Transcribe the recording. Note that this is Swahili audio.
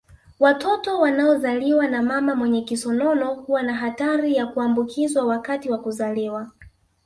Watoto wanaozaliwa na mama wenye kisonono huwa na hatari ya kuambukizwa wakati wa kuzaliwa